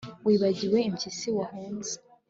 Wibagirwe impyisi wahunze